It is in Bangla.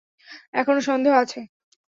এখনও সন্দেহ আছে?